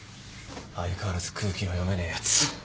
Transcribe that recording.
相変わらず空気の読めねえやつ。